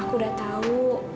aku udah tau